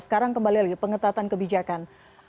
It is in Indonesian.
sekarang kembali lagi pengetatan kebijakan